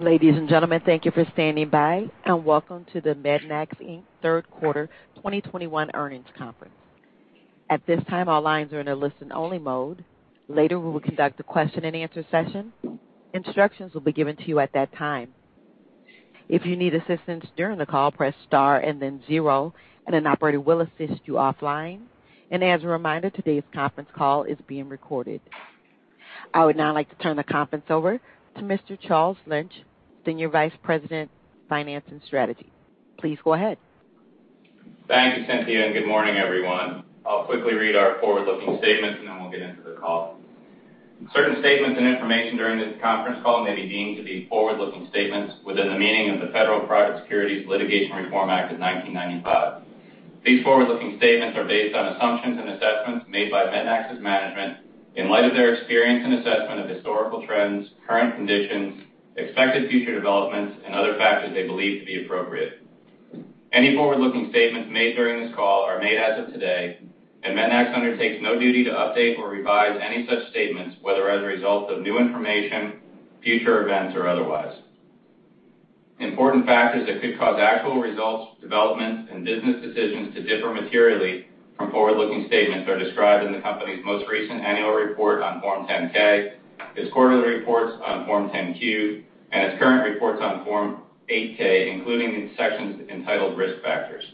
Ladies and gentlemen, thank you for standing by, and welcome to the Mednax, Inc. Third Quarter 2021 Earnings Conference. At this time, all lines are in a listen-only mode. Later, we will conduct a question-and-answer session. Instructions will be given to you at that time. If you need assistance during the call, press star and then zero, and an operator will assist you offline. As a reminder, today's conference call is being recorded. I would now like to turn the conference over to Mr. Charles Lynch, Senior Vice President, Finance and Strategy. Please go ahead. Thank you, Cynthia, and good morning, everyone. I'll quickly read our forward-looking statements, and then we'll get into the call. Certain statements and information during this conference call may be deemed to be forward-looking statements within the meaning of the Private Securities Litigation Reform Act of 1995. These forward-looking statements are based on assumptions and assessments made by Mednax's management in light of their experience and assessment of historical trends, current conditions, expected future developments, and other factors they believe to be appropriate. Any forward-looking statements made during this call are made as of today, and Mednax undertakes no duty to update or revise any such statements, whether as a result of new information, future events, or otherwise. Important factors that could cause actual results, developments, and business decisions to differ materially from forward-looking statements are described in the company's most recent annual report on Form 10-K, its quarterly reports on Form 10-Q, and its current reports on Form 8-K, including the sections entitled Risk Factors.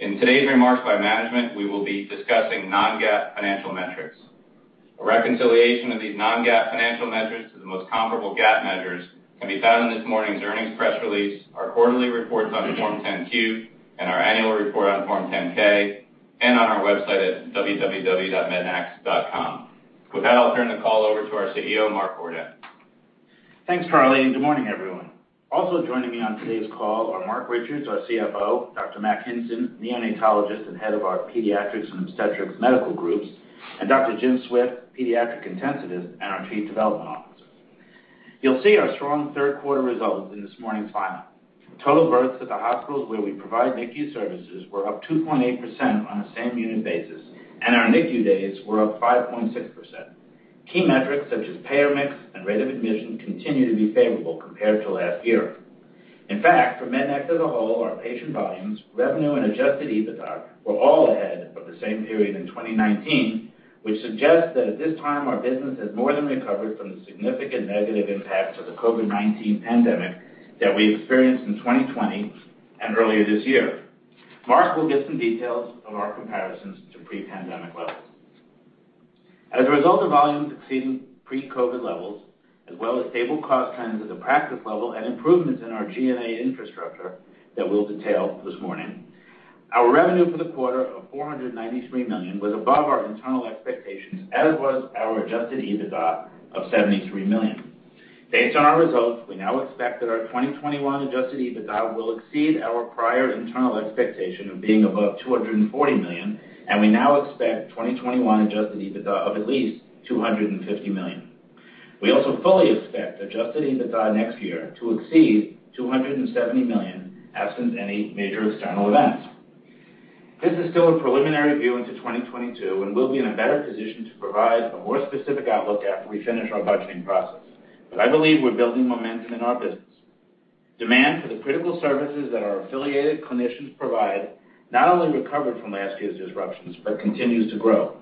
In today's remarks by management, we will be discussing non-GAAP financial metrics. A reconciliation of these non-GAAP financial metrics to the most comparable GAAP measures can be found in this morning's earnings press release, our quarterly reports on Form 10-Q and our annual report on Form 10-K, and on our website at www.mednax.com. With that, I'll turn the call over to our CEO, Mark Ordan. Thanks, Charlie, and good morning, everyone. Also joining me on today's call are Marc Richards, our CFO, Dr. Mack Hinson, neonatologist and head of our Pediatrix and Obstetrix Medical Groups, and Dr. Jim Swift, pediatric intensivist and our Chief Development Officer. You'll see our strong third quarter results in this morning's filing. Total births at the hospitals where we provide NICU services were up 2.8% on a same-unit basis, and our NICU days were up 5.6%. Key metrics such as payer mix and rate of admission continue to be favorable compared to last year. In fact, for Mednax as a whole, our patient volumes, revenue, and adjusted EBITDA were all ahead of the same period in 2019, which suggests that at this time, our business has more than recovered from the significant negative impact of the COVID-19 pandemic that we experienced in 2020 and earlier this year. Mark will give some details of our comparisons to pre-pandemic levels. As a result of volumes exceeding pre-COVID levels as well as stable cost trends at the practice level and improvements in our G&A infrastructure that we'll detail this morning, our revenue for the quarter of $493 million was above our internal expectations, as was our adjusted EBITDA of $73 million. Based on our results, we now expect that our 2021 adjusted EBITDA will exceed our prior internal expectation of being above $240 million, and we now expect 2021 adjusted EBITDA of at least $250 million. We also fully expect adjusted EBITDA next year to exceed $270 million, absent any major external events. This is still a preliminary view into 2022, and we'll be in a better position to provide a more specific outlook after we finish our budgeting process, but I believe we're building momentum in our business. Demand for the critical services that our affiliated clinicians provide not only recovered from last year's disruptions but continues to grow.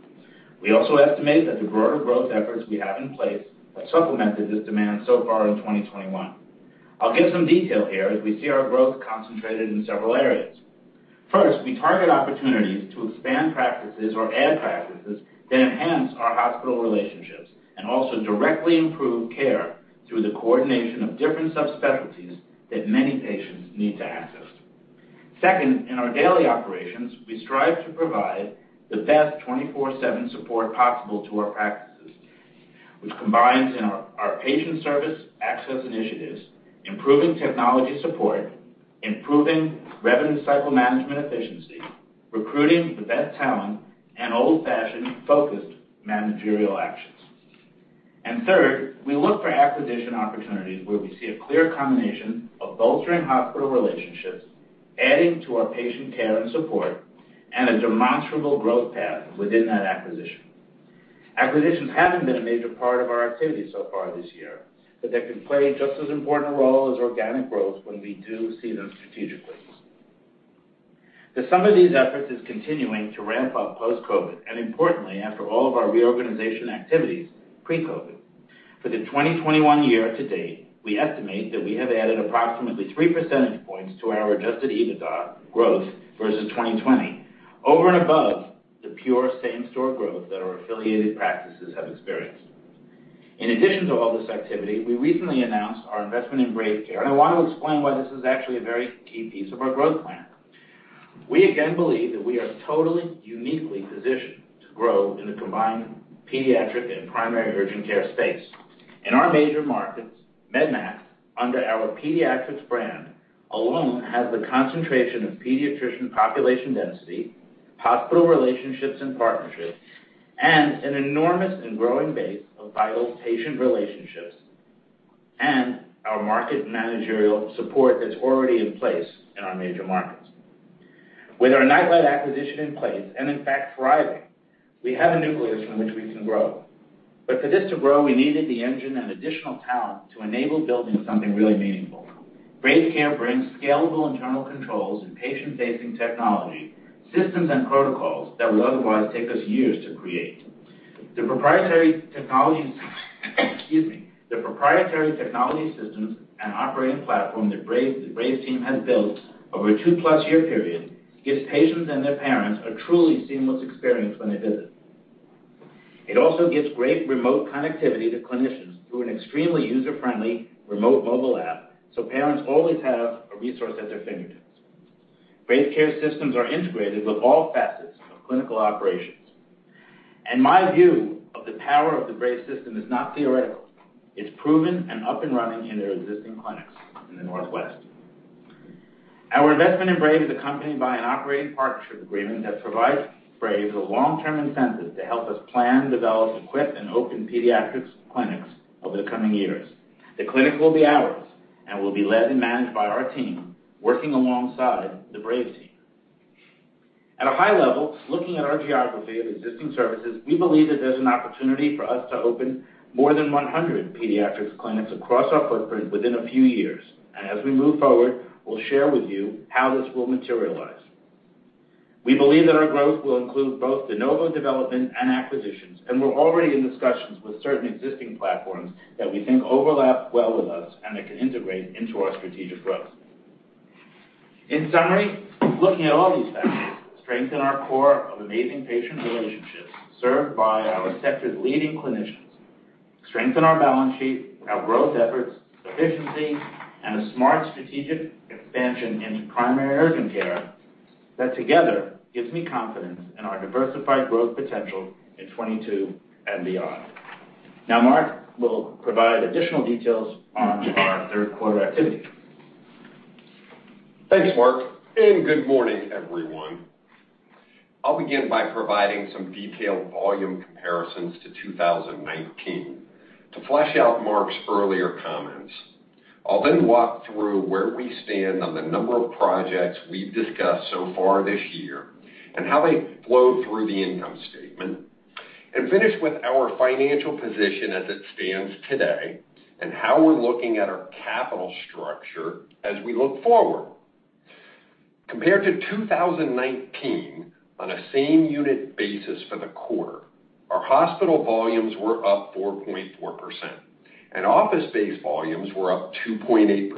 We also estimate that the broader growth efforts we have in place have supplemented this demand so far in 2021. I'll give some detail here as we see our growth concentrated in several areas. First, we target opportunities to expand practices or add practices that enhance our hospital relationships and also directly improve care through the coordination of different subspecialties that many patients need to access. Second, in our daily operations, we strive to provide the best 24/7 support possible to our practices, which combines in our patient service access initiatives, improving technology support, improving revenue cycle management efficiency, recruiting the best talent, and old-fashioned, focused managerial actions. Third, we look for acquisition opportunities where we see a clear combination of bolstering hospital relationships, adding to our patient care and support, and a demonstrable growth path within that acquisition. Acquisitions haven't been a major part of our activity so far this year, but they can play just as important a role as organic growth when we do see them strategically. The sum of these efforts is continuing to ramp up post-COVID and importantly, after all of our reorganization activities pre-COVID. For the 2021 year to date, we estimate that we have added approximately three percentage points to our adjusted EBITDA growth versus 2020, over and above the pure same-store growth that our affiliated practices have experienced. In addition to all this activity, we recently announced our investment in Brave Care, and I want to explain why this is actually a very key piece of our growth plan. We again believe that we are totally uniquely positioned to grow in the combined pediatric and primary urgent care space. In our major markets, Mednax, under our pediatrics brand alone, has the concentration of pediatrician population density, hospital relationships and partnerships, and an enormous and growing base of vital patient relationships, and our market managerial support that's already in place in our major markets. With our NightLight acquisition in place and in fact thriving, we have a nucleus from which we can grow. For this to grow, we needed the engine and additional talent to enable building something really meaningful. Brave Care brings scalable internal controls and patient-facing technology, systems and protocols that will otherwise take us years to create. The proprietary technology systems and operating platform that Brave team has built over a two-plus year period gives patients and their parents a truly seamless experience when they visit. It also gives great remote connectivity to clinicians through an extremely user-friendly remote mobile app, so parents always have a resource at their fingertips. Brave Care systems are integrated with all facets of clinical operations, and my view of the power of the Brave system is not theoretical. It's proven and up and running in their existing clinics in the Northwest. Our investment in Brave is accompanied by an operating partnership agreement that provides Brave a long-term incentive to help us plan, develop, equip, and open pediatrics clinics over the coming years. The clinic will be ours and will be led and managed by our team working alongside the Brave team. At a high level, looking at our geography of existing services, we believe that there's an opportunity for us to open more than 100 pediatrics clinics across our footprint within a few years. As we move forward, we'll share with you how this will materialize. We believe that our growth will include both de novo development and acquisitions, and we're already in discussions with certain existing platforms that we think overlap well with us and that can integrate into our strategic growth. In summary, looking at all these factors strengthen our core of amazing patient relationships served by our sector's leading clinicians, strengthen our balance sheet, our growth efforts, efficiency, and a smart strategic expansion into primary urgent care that together gives me confidence in our diversified growth potential in 2022 and beyond. Now Mark will provide additional details on our third quarter activities. Thanks, Mark, and good morning, everyone. I'll begin by providing some detailed volume comparisons to 2019 to flesh out Mark's earlier comments. I'll then walk through where we stand on the number of projects we've discussed so far this year and how they flow through the income statement, and finish with our financial position as it stands today and how we're looking at our capital structure as we look forward. Compared to 2019, on a same unit basis for the quarter, our hospital volumes were up 4.4%, and office-based volumes were up 2.8%.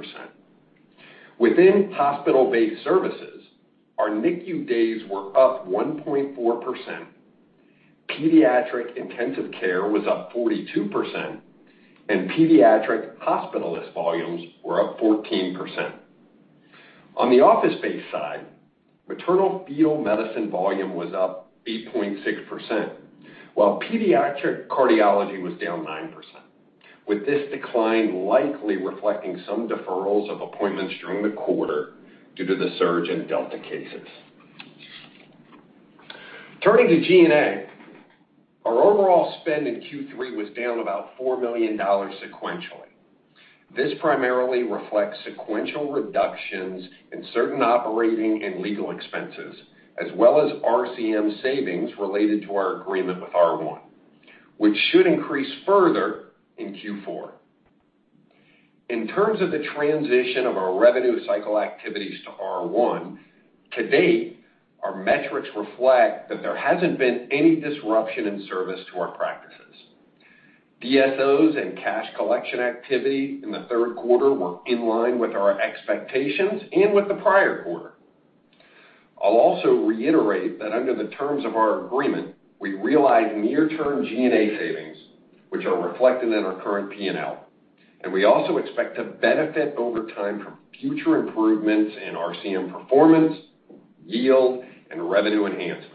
Within hospital-based services, our NICU days were up 1.4%, pediatric intensive care was up 42%, and pediatric hospitalist volumes were up 14%. On the office-based side, maternal fetal medicine volume was up 8.6%, while pediatric cardiology was down 9%, with this decline likely reflecting some deferrals of appointments during the quarter due to the surge in Delta cases. Turning to G&A, our overall spend in Q3 was down about $4 million sequentially. This primarily reflects sequential reductions in certain operating and legal expenses, as well as RCM savings related to our agreement with R1, which should increase further in Q4. In terms of the transition of our revenue cycle activities to R1, to date, our metrics reflect that there hasn't been any disruption in service to our practices. DSOs and cash collection activity in the third quarter were in line with our expectations and with the prior quarter. I'll also reiterate that under the terms of our agreement, we realize near-term G&A savings, which are reflected in our current P&L, and we also expect to benefit over time from future improvements in RCM performance, yield, and revenue enhancements.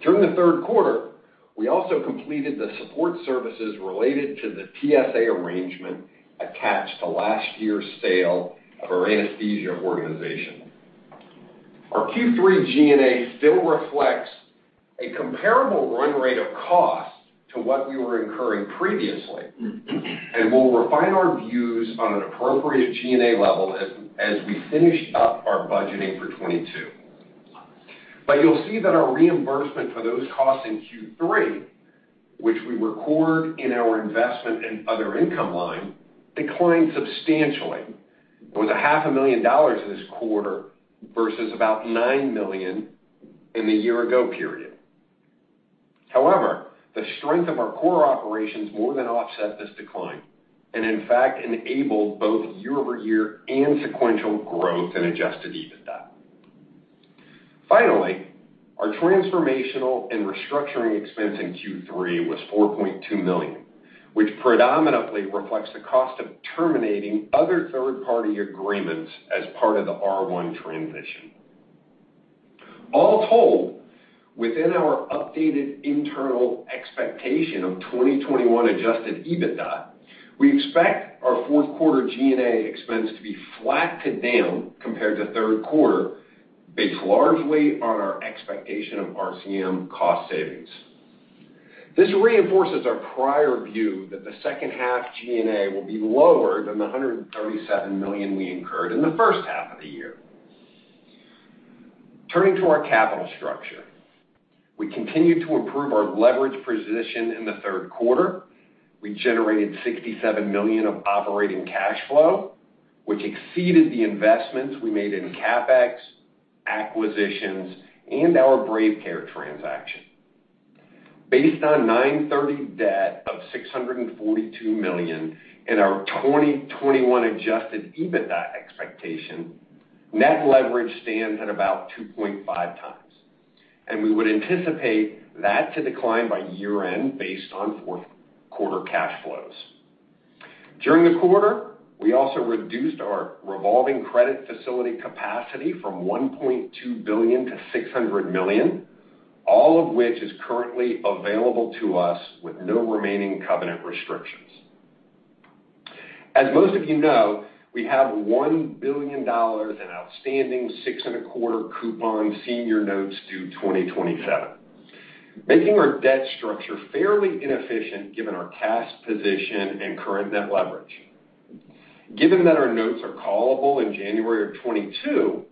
During the third quarter, we also completed the support services related to the TSA arrangement attached to last year's sale of our anesthesia organization. Our Q3 G&A still reflects a comparable run rate of cost to what we were incurring previously and we'll refine our views on an appropriate G&A level as we finish up our budgeting for 2022. You'll see that our reimbursement for those costs in Q3, which we record in our investment and other income line, declined substantially. It was half a million dollars this quarter versus about $9 million in the year ago period. However, the strength of our core operations more than offset this decline, and in fact enabled both year-over-year and sequential growth in adjusted EBITDA. Finally, our transformational and restructuring expense in Q3 was $4.2 million, which predominantly reflects the cost of terminating other third-party agreements as part of the R1 transition. All told, within our updated internal expectation of 2021 adjusted EBITDA, we expect our fourth quarter G&A expense to be flat to down compared to third quarter, based largely on our expectation of RCM cost savings. This reinforces our prior view that the second half G&A will be lower than the $137 million we incurred in the first half of the year. Turning to our capital structure. We continued to improve our leverage position in the third quarter. We generated $67 million of operating cash flow, which exceeded the investments we made in CapEx, acquisitions, and our Brave Care transaction. Based on 9/30 debt of $642 million in our 2021 adjusted EBITDA expectation, net leverage stands at about 2.5x, and we would anticipate that to decline by year-end based on fourth quarter cash flows. During the quarter, we also reduced our revolving credit facility capacity from $1.2 billion to $600 million, all of which is currently available to us with no remaining covenant restrictions. As most of you know, we have $1 billion in outstanding 6.25% coupon senior notes due 2027, making our debt structure fairly inefficient given our cash position and current net leverage. Given that our notes are callable in January of 2022,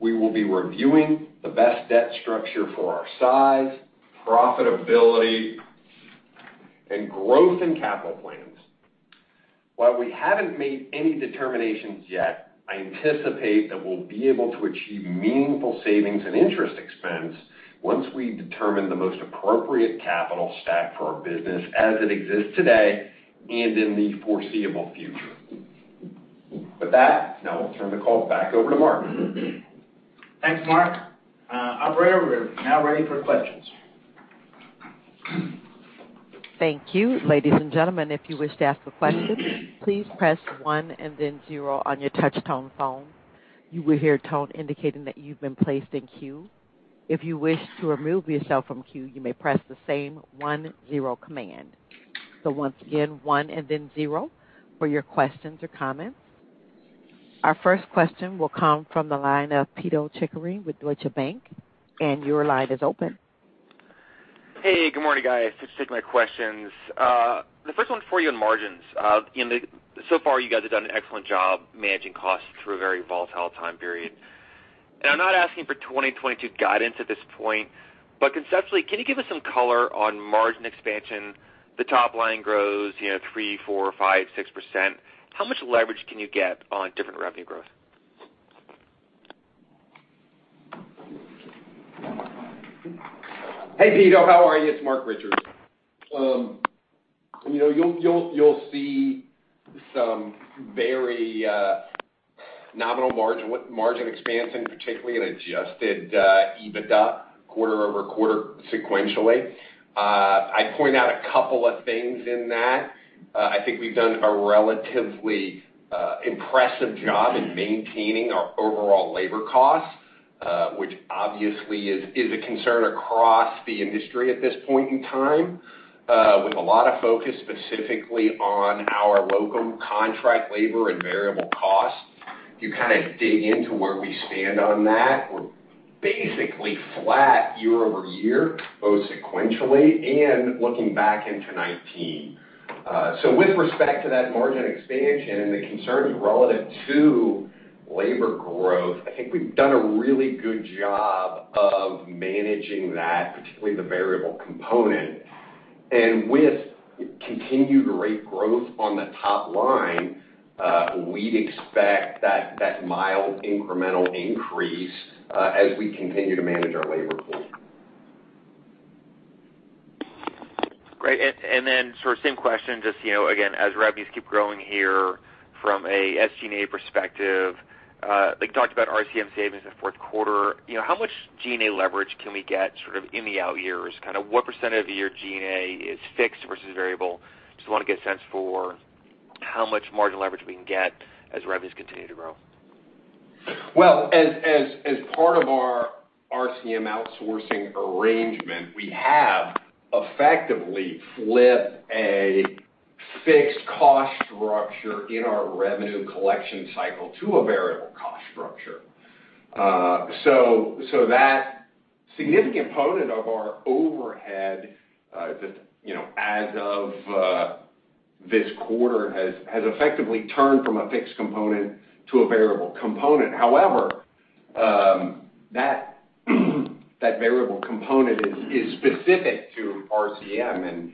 we will be reviewing the best debt structure for our size, profitability, and growth and capital plans. While we haven't made any determinations yet, I anticipate that we'll be able to achieve meaningful savings and interest expense once we determine the most appropriate capital stack for our business as it exists today and in the foreseeable future. With that, now I'll turn the call back over to Mark. Thanks, Marc. Operator, we're now ready for questions. Thank you. Ladies and gentlemen, if you wish to ask a question, please press one and then zero on your touchtone phone. You will hear a tone indicating that you've been placed in queue. If you wish to remove yourself from queue, you may press the same one-zero command. Once again, one and then zero for your questions or comments. Our first question will come from the line of Pito Chickering with Deutsche Bank, and your line is open. Hey, good morning, guys. Just take my questions. The first one for you on margins. You know, so far you guys have done an excellent job managing costs through a very volatile time period. I'm not asking for 2022 guidance at this point, but conceptually, can you give us some color on margin expansion? The top line grows, you know, 3%-6%. How much leverage can you get on different revenue growth? Hey, Pito, how are you? It's Marc Richards. You know, you'll see some very nominal margin expansion, particularly in adjusted EBITDA quarter-over-quarter sequentially. I'd point out a couple of things in that. I think we've done a relatively impressive job in maintaining our overall labor costs, which obviously is a concern across the industry at this point in time, with a lot of focus specifically on our locum contract labor and variable costs. If you kinda dig into where we stand on that, we're basically flat year-over-year, both sequentially and looking back into 2019. With respect to that margin expansion and the concerns relative to labor growth, I think we've done a really good job of managing that, particularly the variable component. With continued rate growth on the top line, we'd expect that mild incremental increase, as we continue to manage our labor pool. Great. Sort of same question, just, you know, again, as revenues keep growing here from a SG&A perspective, like you talked about RCM savings in fourth quarter, you know, how much G&A leverage can we get sort of in the out years? Kinda what percent of your G&A is fixed versus variable? Just wanna get a sense for how much margin leverage we can get as revenues continue to grow. Well, as part of our RCM outsourcing arrangement, we have effectively flipped a fixed cost structure in our revenue collection cycle to a variable cost structure. So that significant component of our overhead, that you know as of this quarter has effectively turned from a fixed component to a variable component. However, that variable component is specific to RCM and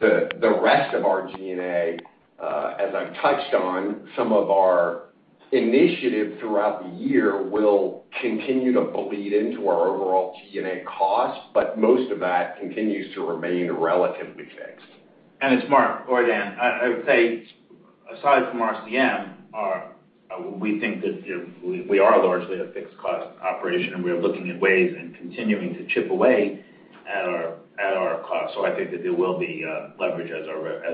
the rest of our G&A, as I've touched on some of our initiatives throughout the year will continue to bleed into our overall G&A costs, but most of that continues to remain relatively fixed. It's Mark. Go ahead, Dan. I would say aside from RCM, we think that, you know, we are largely a fixed cost operation, and we are looking at ways and continuing to chip away at our costs. I think that there will be leverage as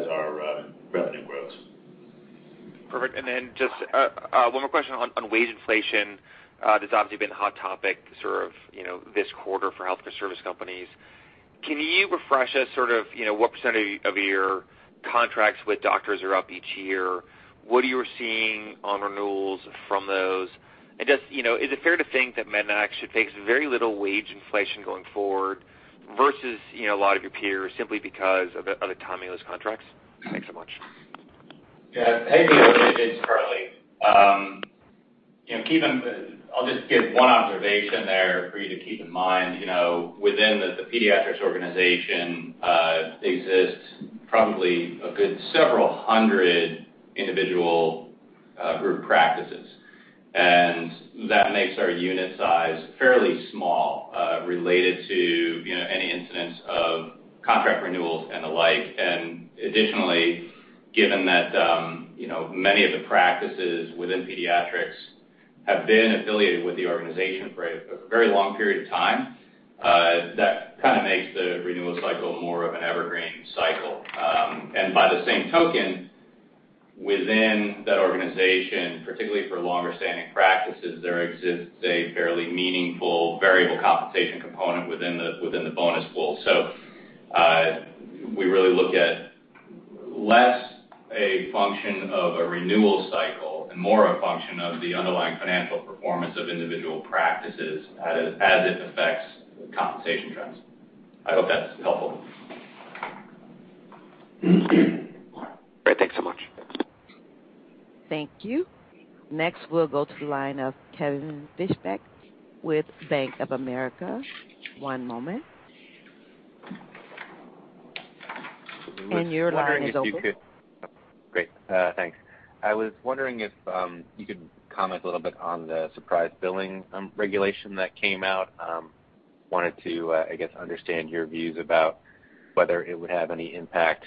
our revenue grows. Perfect. Just one more question on wage inflation. That's obviously been a hot topic sort of, you know, this quarter for healthcare service companies. Can you refresh us sort of, you know, what percentage of your contracts with doctors are up each year? What are you seeing on renewals from those? Just, you know, is it fair to think that Mednax should face very little wage inflation going forward versus, you know, a lot of your peers simply because of the timeless contracts? Thanks so much. Yeah. Hey, it's Charlie. I'll just give one observation there for you to keep in mind. You know, within the pediatrics organization, exists probably a good several hundred individual group practices. That makes our unit size fairly small, related to, you know, any instances of contract renewals and the like. Additionally, given that, you know, many of the practices within pediatrics have been affiliated with the organization for a very long period of time, that kinda makes the renewal cycle more of an evergreen cycle. By the same token, within that organization, particularly for longer-standing practices, there exists a fairly meaningful variable compensation component within the bonus pool. We really look at less a function of a renewal cycle and more a function of the underlying financial performance of individual practices as it affects compensation trends. I hope that's helpful. Great. Thanks so much. Thank you. Next, we'll go to the line of Kevin Fischbeck with Bank of America. One moment. Your line is open. Great. Thanks. I was wondering if you could comment a little bit on the surprise billing regulation that came out. Wanted to, I guess, understand your views about whether it would have any impact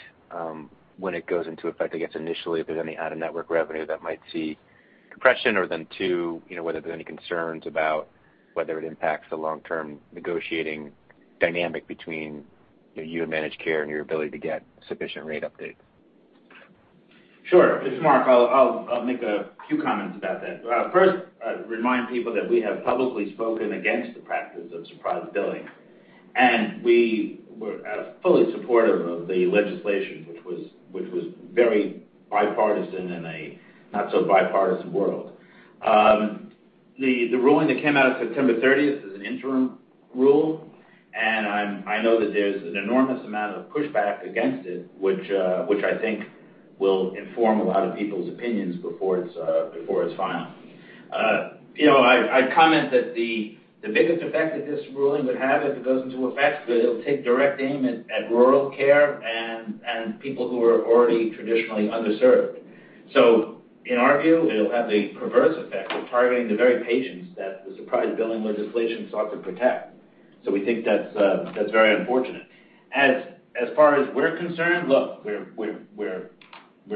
when it goes into effect, I guess, initially, if there's any out-of-network revenue that might see compression. Then, two, you know, whether there are any concerns about whether it impacts the long-term negotiating dynamic between, you know, you and managed care and your ability to get sufficient rate updates. Sure. It's Mark. I'll make a few comments about that. First, remind people that we have publicly spoken against the practice of surprise billing, and we were fully supportive of the legislation, which was very bipartisan in a not so bipartisan world. The ruling that came out on September thirtieth is an interim rule, and I know that there's an enormous amount of pushback against it, which I think will inform a lot of people's opinions before it's final. You know, I comment that the biggest effect that this ruling would have if it goes into effect, it'll take direct aim at rural care and people who are already traditionally underserved. In our view, it'll have the perverse effect of targeting the very patients that the surprise billing legislation sought to protect. We think that's very unfortunate. As far as we're concerned, look, we're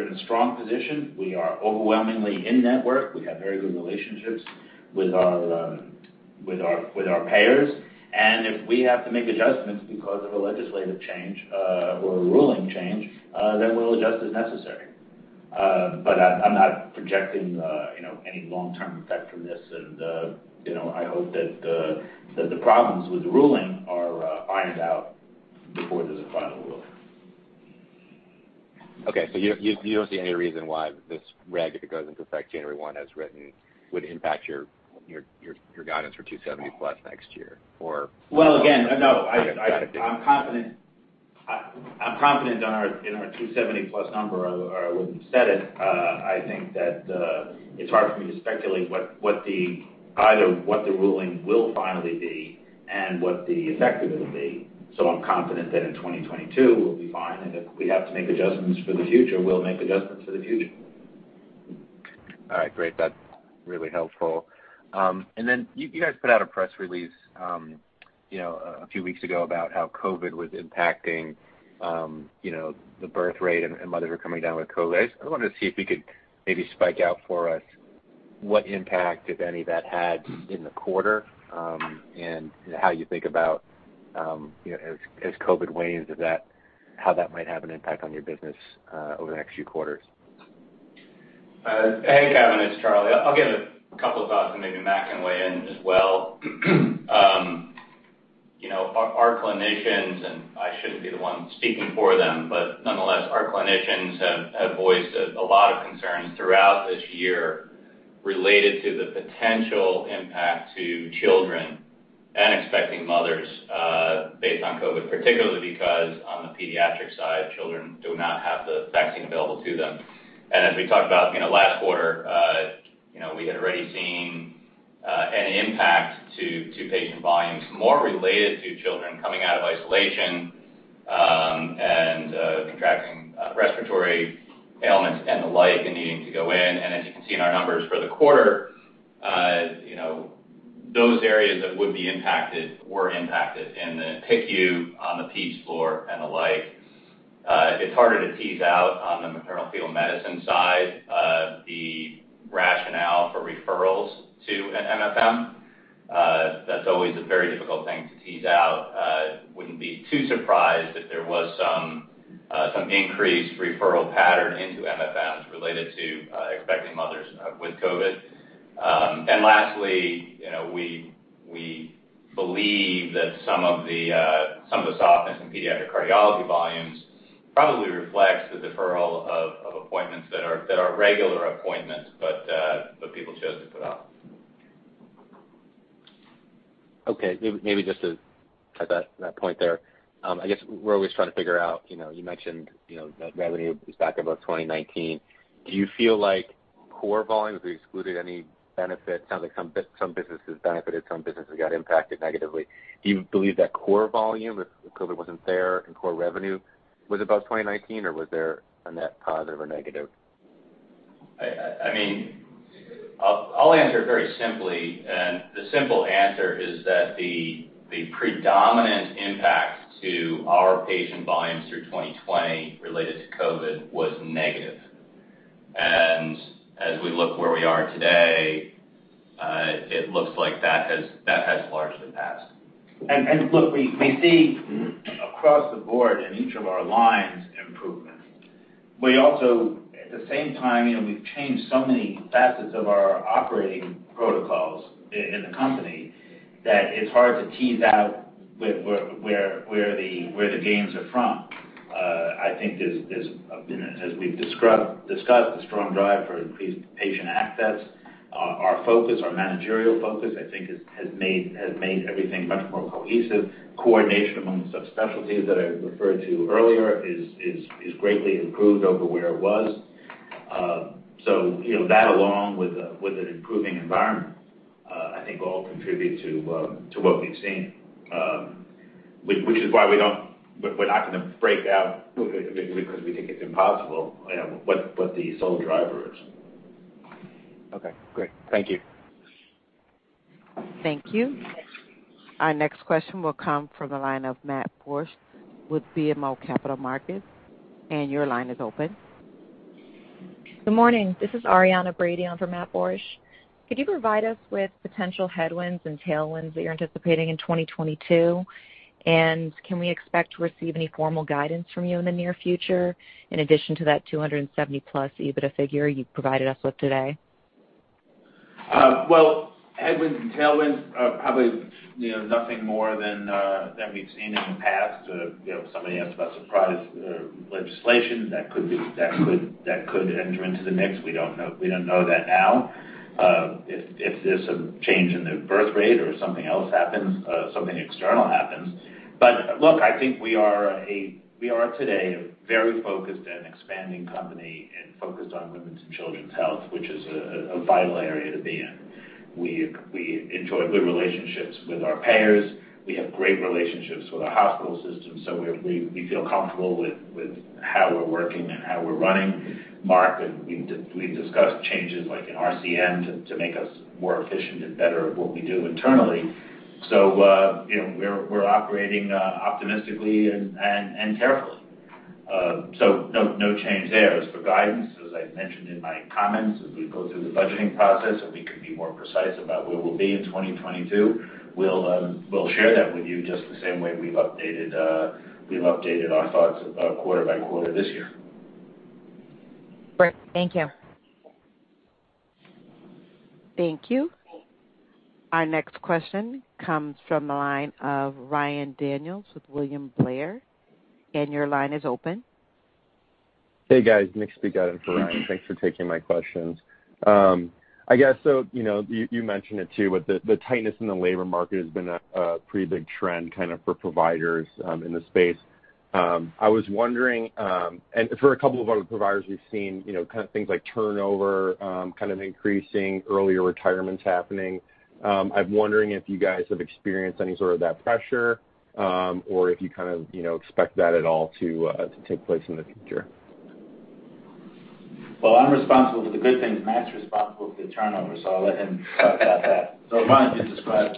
in a strong position. We are overwhelmingly in-network. We have very good relationships with our payers. If we have to make adjustments because of a legislative change or a ruling change, then we'll adjust as necessary. I'm not projecting you know any long-term effect from this. You know, I hope that the problems with the ruling are ironed out before there's a final rule. Okay. You don't see any reason why this reg, if it goes into effect January 1 as written, would impact your guidance for $270+ next year, or- Well, again. Okay. No, I Got it. I'm confident in our 270+ number or I wouldn't have said it. I think that it's hard for me to speculate what the ruling will finally be and what the effect of it will be. I'm confident that in 2022 we'll be fine. If we have to make adjustments for the future, we'll make adjustments for the future. All right. Great. That's really helpful. You guys put out a press release a few weeks ago about how COVID was impacting the birth rate and mothers were coming down with COVID. I wanted to see if you could maybe break out for us what impact, if any, that had in the quarter and how you think about as COVID wanes, how that might have an impact on your business over the next few quarters. Hey, Kevin, it's Charles. I'll give a couple thoughts and maybe Matt can weigh in as well. You know, our clinicians, and I shouldn't be the one speaking for them, but nonetheless, our clinicians have voiced a lot of concerns throughout this year related to the potential impact to children and expecting mothers, based on COVID, particularly because on the pediatric side, children do not have the vaccine available to them. As we talked about, you know, last quarter, you know, we had already seen an impact to patient volumes more related to children coming out of isolation, and contracting respiratory ailments and the like and needing to go in. As you can see in our numbers for the quarter, you know, those areas that would be impacted were impacted in the PICU, on the peds floor and the like. It's harder to tease out on the maternal-fetal medicine side, the rationale for referrals to an MFM. That's always a very difficult thing to tease out. Wouldn't be too surprised if there was some increased referral pattern into MFMs related to expecting mothers with COVID. We believe that some of the softness in pediatric cardiology volumes probably reflects the deferral of appointments that are regular appointments, but people chose to put off. Okay. Maybe just to touch on that point there. I guess we're always trying to figure out, you know, you mentioned, you know, that revenue is back above 2019. Do you feel like core volumes, have you excluded any benefit? Sounds like some businesses benefited, some businesses got impacted negatively. Do you believe that core volume, if COVID wasn't there, and core revenue was above 2019 or was there a net positive or negative? I mean, I'll answer it very simply. The simple answer is that the predominant impact to our patient volumes through 2020 related to COVID was negative. As we look where we are today, it looks like that has largely passed. Look, we see across the board in each of our lines improvements. We also, at the same time, you know, we've changed so many facets of our operating protocols in the company that it's hard to tease out where the gains are from. I think there's, you know, as we've discussed a strong drive for increased patient access, our focus, our managerial focus, I think has made everything much more cohesive. Coordination among subspecialties that I referred to earlier is greatly improved over where it was. You know, that along with an improving environment, I think all contribute to what we've seen, which is why we're not gonna break out because we think it's impossible, you know, what the sole driver is. Okay, great. Thank you. Thank you. Our next question will come from the line of Matt Borsch with BMO Capital Markets. Your line is open. Good morning. This is Arianna Brady on for Matt Borsch. Could you provide us with potential headwinds and tailwinds that you're anticipating in 2022? Can we expect to receive any formal guidance from you in the near future in addition to that 270+ EBITDA figure you provided us with today? Well, headwinds and tailwinds are probably, you know, nothing more than we've seen in the past. You know, somebody asked about surprise legislation that could enter into the mix. We don't know that now. If there's a change in the birth rate or something else happens, something external happens. Look, I think we are today a very focused and expanding company and focused on women's and children's health, which is a vital area to be in. We enjoy good relationships with our payers. We have great relationships with our hospital systems, so we feel comfortable with how we're working and how we're running. Mark, we've discussed changes like in RCM to make us more efficient and better at what we do internally. You know, we're operating optimistically and carefully. No change there. As for guidance, as I mentioned in my comments, as we go through the budgeting process and we can be more precise about where we'll be in 2022, we'll share that with you just the same way we've updated our thoughts about quarter by quarter this year. Great. Thank you. Thank you. Our next question comes from the line of Ryan Daniels with William Blair. Your line is open. Hey, guys. Nick speaking in for Ryan. Thanks for taking my questions. I guess so, you know, you mentioned it too, but the tightness in the labor market has been a pretty big trend kind of for providers in the space. I was wondering, and for a couple of other providers, we've seen, you know, kind of things like turnover kind of increasing, earlier retirements happening. I'm wondering if you guys have experienced any sort of that pressure, or if you kind of, you know, expect that at all to take place in the future. I'm responsible for the good things. Mack's responsible for the turnover, so I'll let him talk about that. Mack, can you describe?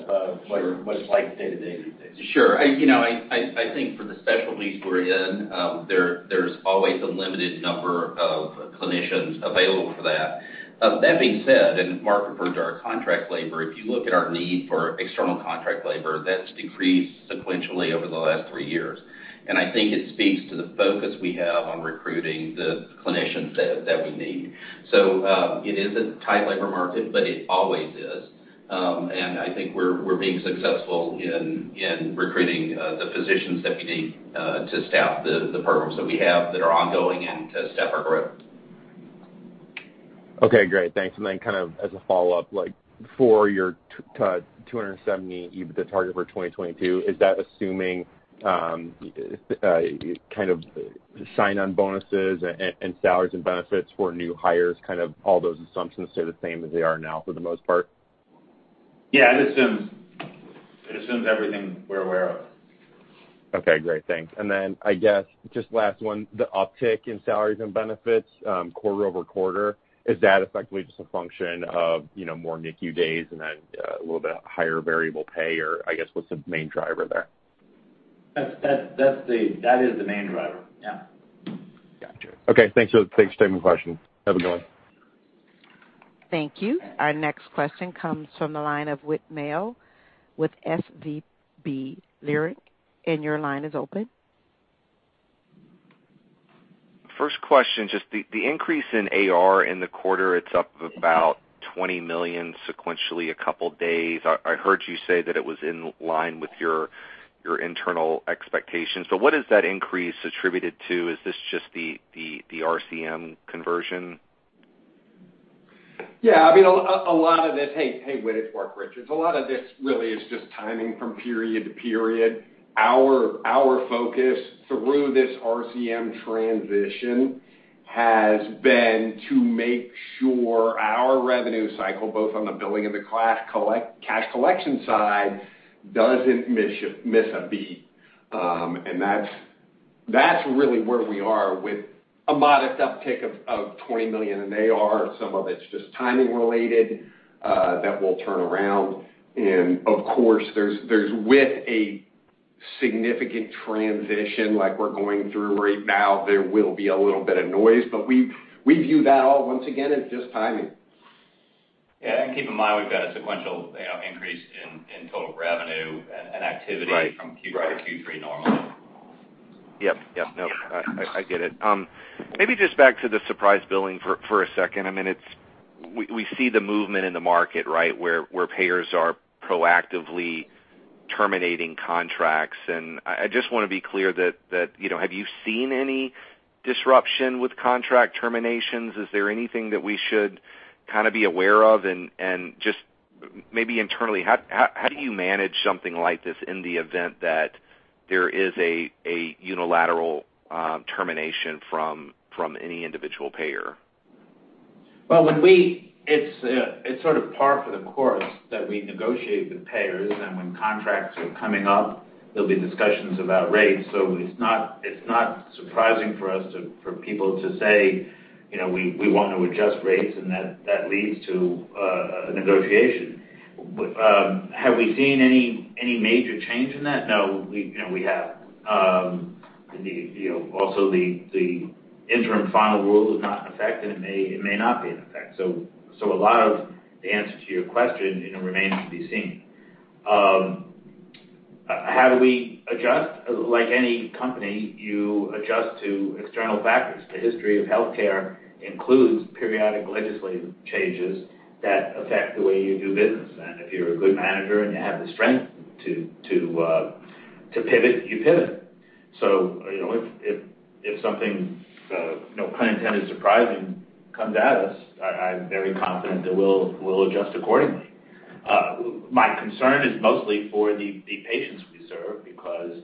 Sure. What it's like day-to-day these days? Sure. You know, I think for the specialties we're in, there's always a limited number of clinicians available for that. That being said, Mark referred to our contract labor. If you look at our need for external contract labor, that's decreased sequentially over the last three years. I think it speaks to the focus we have on recruiting the clinicians that we need. It is a tight labor market, but it always is. I think we're being successful in recruiting the physicians that we need to staff the programs that we have that are ongoing and to staff our growth. Okay, great. Thanks. Kind of as a follow-up, like for your $270 EBITDA target for 2022, is that assuming kind of sign-on bonuses and salaries and benefits for new hires, kind of all those assumptions stay the same as they are now for the most part? Yeah. It assumes everything we're aware of. Okay, great. Thanks. I guess just last one, the uptick in salaries and benefits, quarter-over-quarter, is that effectively just a function of, you know, more NICU days and then, a little bit higher variable pay, or I guess, what's the main driver there? That is the main driver. Yeah. Gotcha. Okay. Thanks for taking the question. Have a good one. Thank you. Our next question comes from the line of Whit Mayo with SVB Leerink, and your line is open. First question, just the increase in AR in the quarter. It's up about $20 million sequentially a couple days. I heard you say that it was in line with your internal expectations, but what is that increase attributed to? Is this just the RCM conversion? Yeah. I mean, a lot of this. Hey, Whit, it's Marc Richards. A lot of this really is just timing from period to period. Our focus through this RCM transition has been to make sure our revenue cycle, both on the billing and the cash collection side, doesn't miss a beat. That's really where we are with a modest uptick of $20 million in AR. Some of it's just timing related, that will turn around. Of course, there's with a significant transition like we're going through right now, there will be a little bit of noise. We view that all once again as just timing. Yeah. Keep in mind, we've got a sequential, you know, increase in total revenue and activity. Right from Q2 to Q3 normally. Yep. Yep. No. I get it. Maybe just back to the surprise billing for a second. I mean, it's. We see the movement in the market, right, where payers are proactively terminating contracts. I just wanna be clear that, you know, have you seen any disruption with contract terminations? Is there anything that we should kinda be aware of? Just maybe internally, how do you manage something like this in the event that there is a unilateral termination from any individual payer? It's sort of par for the course that we negotiate with payers, and when contracts are coming up, there'll be discussions about rates. It's not surprising for us to for people to say, you know, "We want to adjust rates," and that leads to a negotiation. Have we seen any major change in that? No. We have you know, also the interim final rule is not in effect, and it may not be in effect. A lot of the answer to your question, you know, remains to be seen. How do we adjust? Like any company, you adjust to external factors. The history of healthcare includes periodic legislative changes that affect the way you do business. If you're a good manager and you have the strength to pivot, you pivot. You know, if something, no pun intended, surprising comes at us, I'm very confident that we'll adjust accordingly. My concern is mostly for the patients we serve because,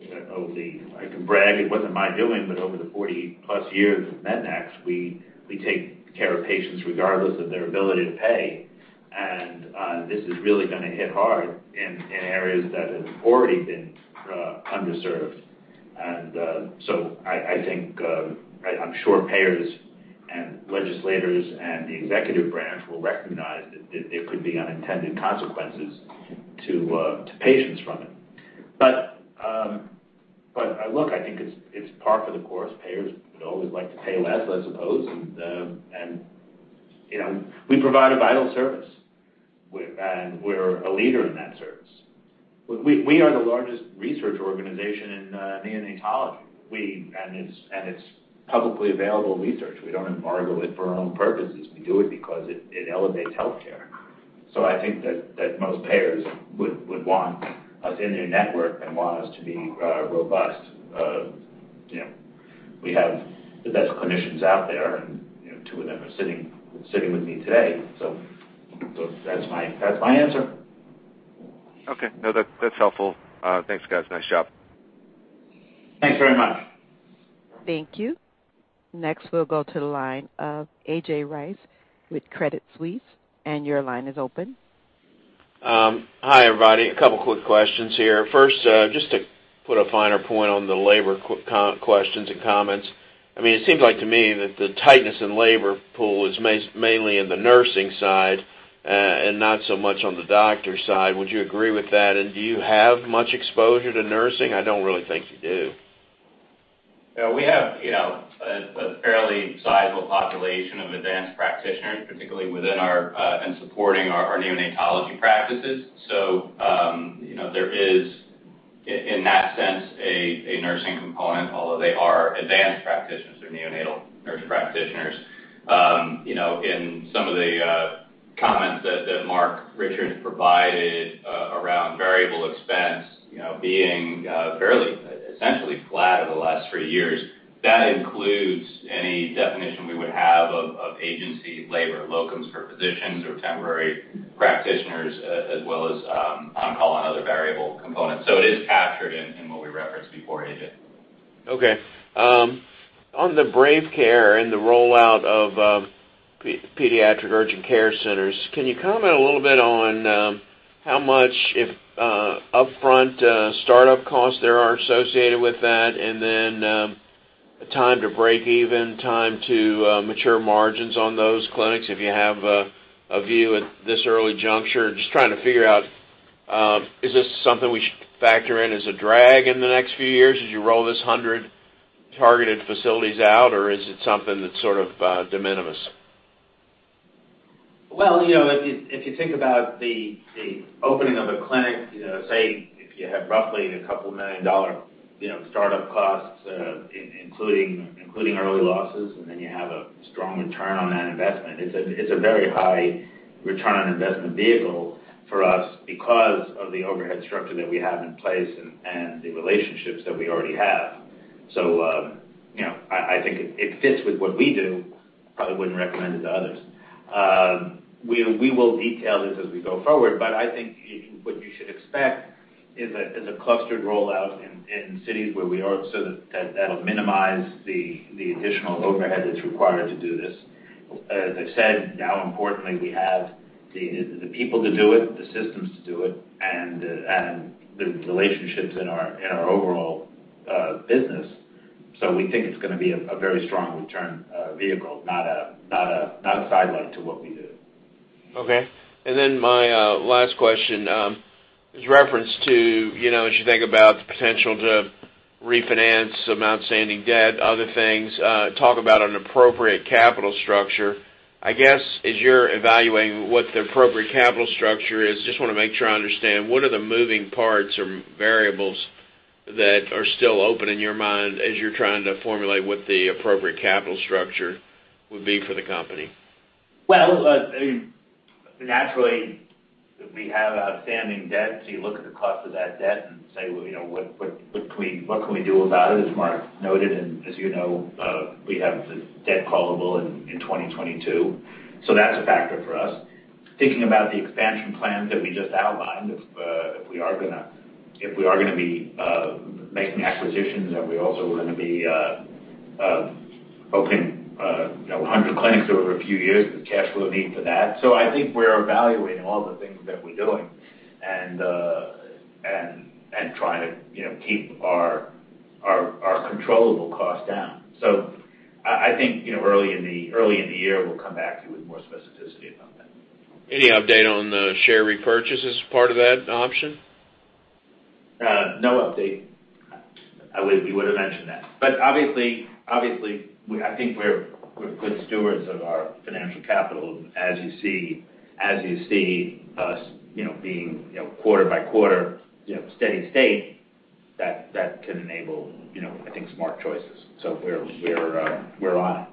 you know, I can brag, it wasn't my doing, but over the 40+ years of Mednax, we take care of patients regardless of their ability to pay. This is really gonna hit hard in areas that have already been underserved. I think, I'm sure payers and legislators and the executive branch will recognize that there could be unintended consequences to patients from it. Look, I think it's par for the course. Payers would always like to pay less, I suppose. You know, we provide a vital service. We're a leader in that service. We are the largest research organization in neonatology. It's publicly available research. We don't embargo it for our own purposes. We do it because it elevates healthcare. I think that most payers would want us in their network and want us to be robust. You know, we have the best clinicians out there, and you know, two of them are sitting with me today. That's my answer. Okay. No. That, that's helpful. Thanks, guys. Nice job. Thanks very much. Thank you. Next, we'll go to the line of A.J. Rice with Credit Suisse. Your line is open. Hi, everybody. A couple quick questions here. First, just to put a finer point on the labor questions and comments. I mean, it seems like to me that the tightness in labor pool is mainly in the nursing side, and not so much on the doctor side. Would you agree with that? Do you have much exposure to nursing? I don't really think you do. We have, you know, a fairly sizable population of advanced practitioners, particularly within our and supporting our neonatology practices. You know, there is in that sense a nursing component, although they are advanced practitioners or neonatal nurse practitioners. You know, in some of the comments that Marc Richards provided around variable expense, you know, being fairly essentially flat over the last three years, that includes any definition we would have of agency labor, locums for physicians or temporary practitioners, as well as on call and other variable components. It is captured in what we referenced before, AJ. Okay. On the Brave Care and the rollout of pediatric urgent care centers, can you comment a little bit on how much, if any, upfront startup costs there are associated with that? Then time to break even, time to mature margins on those clinics, if you have a view at this early juncture. Just trying to figure out is this something we should factor in as a drag in the next few years as you roll these 100 targeted facilities out, or is it something that's sort of de minimis? Well, you know, if you think about the opening of a clinic, say if you had roughly $2 million startup costs, including early losses, and then you have a strong return on that investment, it's a very high return on investment vehicle for us because of the overhead structure that we have in place and the relationships that we already have. So, you know, I think it fits with what we do. Probably wouldn't recommend it to others. We will detail this as we go forward, but I think what you should expect is a clustered rollout in cities where we are so that that'll minimize the additional overhead that's required to do this. As I said, now importantly, we have the people to do it, the systems to do it, and the relationships in our overall business. We think it's gonna be a very strong return vehicle, not a sidelight to what we do. Okay. My last question in reference to, you know, as you think about the potential to refinance some outstanding debt, other things, talk about an appropriate capital structure. I guess as you're evaluating what the appropriate capital structure is, just wanna make sure I understand, what are the moving parts or variables that are still open in your mind as you're trying to formulate what the appropriate capital structure would be for the company? Well, I mean, naturally we have outstanding debt, so you look at the cost of that debt and say, well, you know, what can we do about it? As Mark noted, and as you know, we have the debt callable in 2022, so that's a factor for us. Thinking about the expansion plans that we just outlined, if we are gonna be making acquisitions and we also are gonna be opening, you know, 100 clinics over a few years with the cash flow need for that. I think we're evaluating all the things that we're doing and trying to, you know, keep our controllable costs down. I think, you know, early in the year we'll come back to you with more specificity about that. Any update on the share repurchase as part of that option? No update. We would've mentioned that. Obviously I think we're good stewards of our financial capital. As you see us, you know, being quarter by quarter, you know, steady state, that can enable, you know, I think, smart choices. We're on it.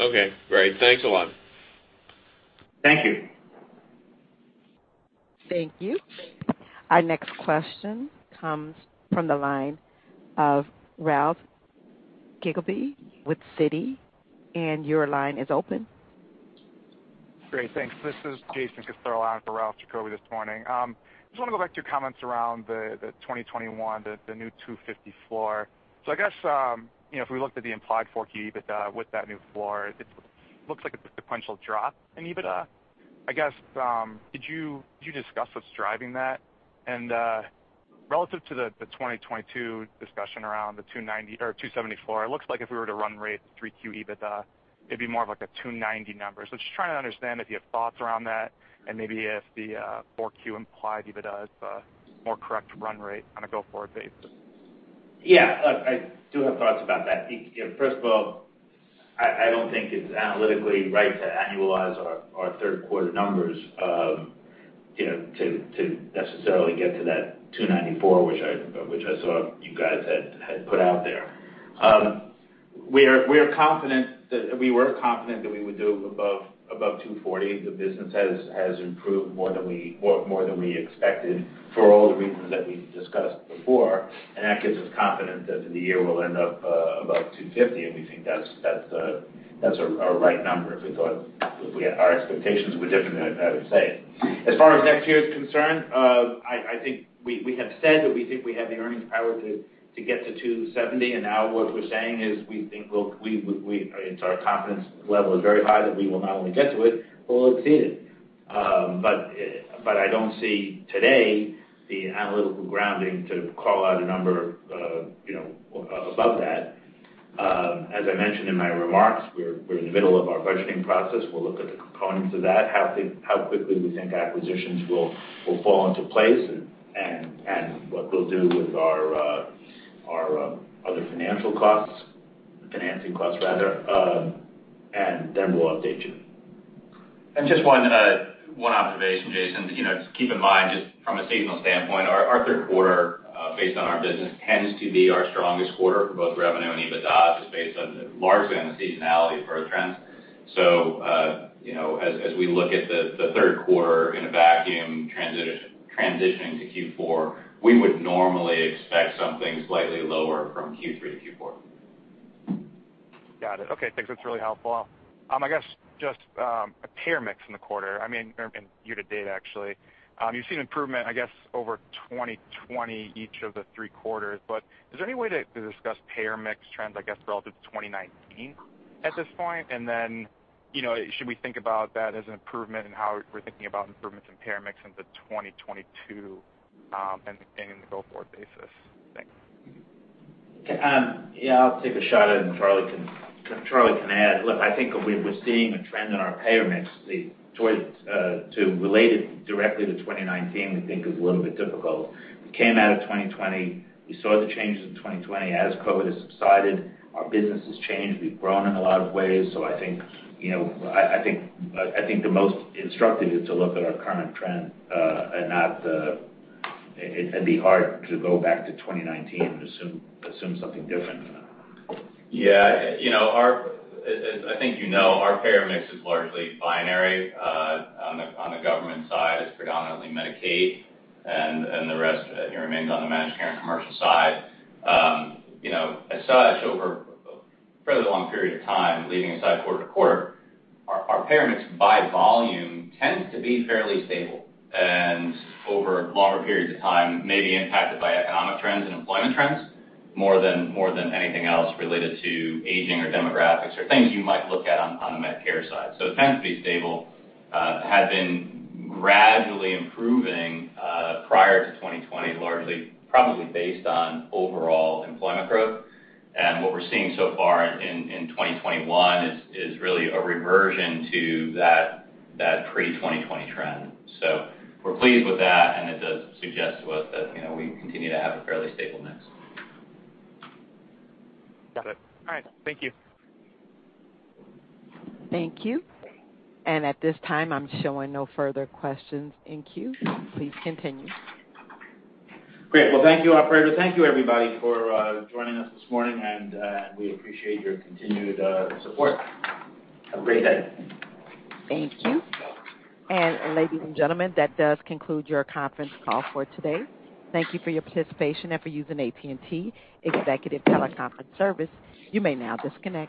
Okay, great. Thanks a lot. Thank you. Thank you. Our next question comes from the line of Ralph Giacobbe with Citi, and your line is open. Great. Thanks. This is Jason Cassorla on for Ralph Giacobbe this morning. Just wanna go back to your comments around the 2021, the new $250 floor. I guess, you know, if we looked at the implied 4Q with that new floor, it looks like it's a sequential drop in EBITDA. I guess, could you discuss what's driving that? Relative to the 2022 discussion around the $290 or $270 floor, it looks like if we were to run-rate 3Q EBITDA, it'd be more of like a $290 number. Just trying to understand if you have thoughts around that and maybe if the 4Q implied EBITDA is a more correct run-rate on a go-forward basis. Yeah. Look, I do have thoughts about that. You know, first of all, I don't think it's analytically right to annualize our third quarter numbers, you know, to necessarily get to that $294, which I saw you guys had put out there. We are confident that we were confident that we would do above $240. The business has improved more than we expected for all the reasons that we've discussed before. That gives us confidence that the year will end up above $250, and we think that's the, that's our right number if we had our expectations were different, I'd have to say. As far as next year is concerned, I think we have said that we think we have the earnings power to get to $2.70, and now what we're saying is we think we'll. It's our confidence level is very high that we will not only get to it, we'll exceed it. I don't see today the analytical grounding to call out a number, you know, above that. As I mentioned in my remarks, we're in the middle of our budgeting process. We'll look at the components of that, how quickly we think acquisitions will fall into place and what we'll do with our other financing costs rather, and then we'll update you. Just one observation, Jason. You know, keep in mind, just from a seasonal standpoint, our third quarter, based on our business tends to be our strongest quarter for both revenue and EBITDA just based on largely on the seasonality of our trends. You know, as we look at the third quarter in a vacuum transitioning to Q4, we would normally expect something slightly lower from Q3 to Q4. Got it. Okay, thanks. That's really helpful. I guess just payer mix in the quarter or year to date actually, you've seen improvement I guess over 2020 each of the three quarters, but is there any way to discuss payer mix trends I guess relative to 2019 at this point? Then, you know, should we think about that as an improvement in how we're thinking about improvements in payer mix into 2022, and in the go-forward basis? Thanks. Yeah, I'll take a shot at it and Charlie can add. Look, I think we're seeing a trend in our payer mix. To relate it directly to 2019 we think is a little bit difficult. We came out of 2020. We saw the changes in 2020. As COVID has subsided, our business has changed. We've grown in a lot of ways, so I think you know, the most instructive is to look at our current trend. It'd be hard to go back to 2019 and assume something different. Yeah. You know, as I think you know, our payer mix is largely binary. On the government side, it's predominantly Medicaid, and the rest remains on the managed care and commercial side. You know, as such, over a fairly long period of time, leaving aside quarter to quarter, our payer mix by volume tends to be fairly stable, and over longer periods of time may be impacted by economic trends and employment trends more than anything else related to aging or demographics or things you might look at on the Medicare side. So it tends to be stable. It had been gradually improving prior to 2020, largely probably based on overall employment growth. What we're seeing so far in 2021 is really a reversion to that pre-2020 trend. We're pleased with that, and it does suggest to us that, you know, we continue to have a fairly stable mix. Got it. All right. Thank you. Thank you. At this time, I'm showing no further questions in queue. Please continue. Great. Well, thank you, operator. Thank you, everybody, for joining us this morning, and we appreciate your continued support. Have a great day. Thank you. Ladies and gentlemen, that does conclude your conference call for today. Thank you for your participation and for using AT&T Executive Teleconference Service. You may now disconnect.